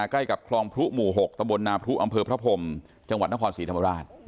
ใกล้กับคลองพลุหมู่๖ตำบลนาพรุอำเภอพระพรมจังหวัดนครศรีธรรมราช